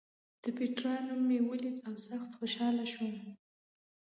د پېټرا نوم مې ولید او سخت خوشاله شوم.